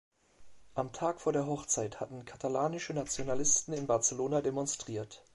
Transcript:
Am Tag vor der Hochzeit hatten katalanische Nationalisten in Barcelona demonstriert.